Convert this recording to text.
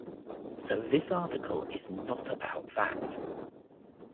So this article is not about that.